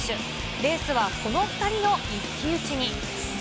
レースはこの２人の一騎打ちに。